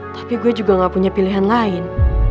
tapi gue juga gak punya pilihan lain